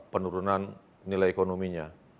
penurunan nilai ekonominya